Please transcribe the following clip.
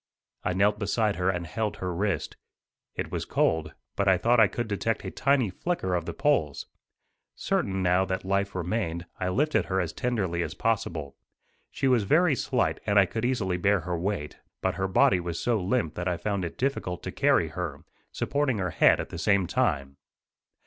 I knelt beside her and held her wrist. It was cold, but I thought I could detect a tiny flicker of the pulse. Certain now that life remained, I lifted her as tenderly as possible. She was very slight and I could easily bear her weight; but her body was so limp that I found it difficult to carry her, supporting her head at the same time.